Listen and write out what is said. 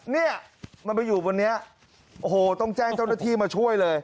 เนี่ยมันไปอยู่บนนี้โอ้โหต้องแจ้งเจ้าหน้าที่มาช่วยเลย